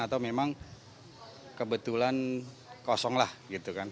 atau memang kebetulan kosong lah gitu kan